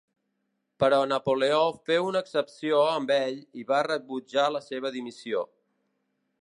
Però Napoleó féu una excepció amb ell i va rebutjar la seva dimissió.